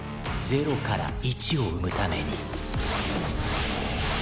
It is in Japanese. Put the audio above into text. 「０から１を生むために」